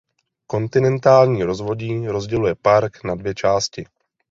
Kontinentální rozvodí rozděluje park na dvě části.